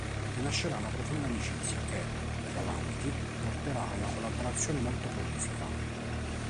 Ne nascerà una profonda amicizia che, più avanti, porterà a una collaborazione molto prolifica.